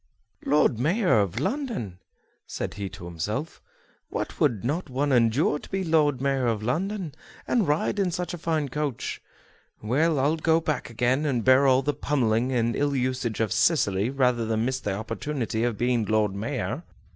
"Lord Mayor of London!" said he to himself, "what would not one endure to be Lord Mayor of London, and ride in such a fine coach? Well, I'll go back again, and bear all the pummelling and ill usage of Cicely rather than miss the opportunity of being Lord Mayor!"